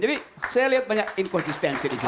jadi saya lihat banyak inconsistency disitu